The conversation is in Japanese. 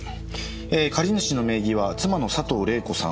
えー借り主の名義は妻の佐藤礼子さん。